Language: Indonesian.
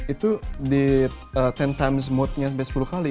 itu di sepuluh x mode nya sampai sepuluh x